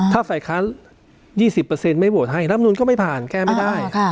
ถ้าฝ่ายค้าน๒๐ไม่โหวตให้รับนูนก็ไม่ผ่านแก้ไม่ได้